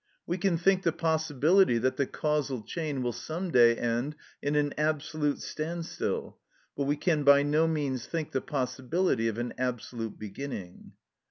We can think the possibility that the causal chain will some day end in an absolute standstill, but we can by no means think the possibility of an absolute beginning.